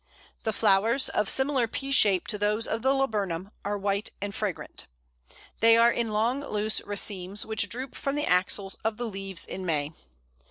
The flowers, of similar pea shape to those of the Laburnum, are white and fragrant. They are in long loose racemes, which droop from the axils of the leaves in May.